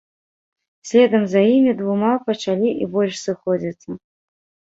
Следам за імі двума пачалі і больш сыходзіцца.